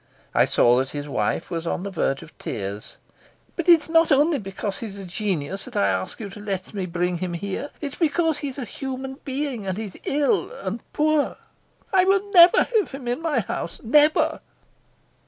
I saw that his wife was on the verge of tears. "But it's not only because he's a genius that I ask you to let me bring him here; it's because he's a human being, and he is ill and poor." "I will never have him in my house never."